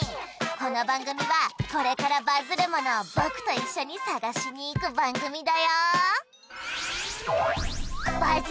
この番組はこれからバズるものを僕と一緒に探しに行く番組だよ